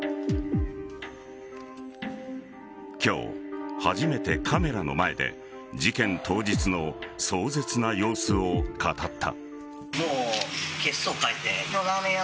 今日、初めてカメラの前で事件当日の壮絶な様子を語った。